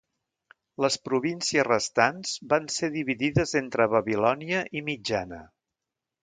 Les províncies restants van ser dividides entre Babilònia i Mitjana.